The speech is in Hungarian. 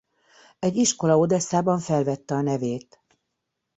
Egy iskola Odesszában felvette a nevét.